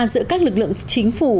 giữa các lực lượng chính phủ